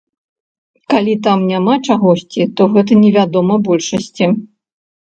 Калі там няма чагосьці, то гэта невядома большасці.